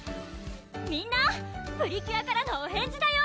みんなプリキュアからのお返事だよ！